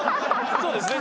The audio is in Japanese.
そうですね。